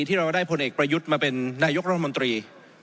ที่เราได้พลเอกประยุทธ์มาเป็นนายกรัฐมนตรี